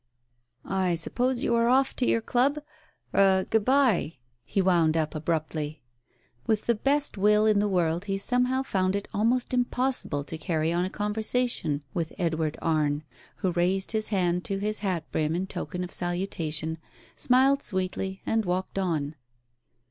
"I suppose you are off to your club? — er — good bye !" he wound up abruptly. With the best will in the world he somehow found it almost impossible to carry on a conversation with Edward Arne, who raised his hand to his hat brim in token of salutation, smiled sweetly, and walked on.